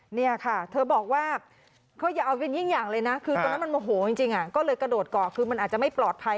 หน้าค่ะเธอบอกว่าเขาออกได้อย่างอย่างเลยนะและเป็นอย่างจริงก็เลยกระโดดก่อก็คือมันอาจจะไม่ปลอดภัย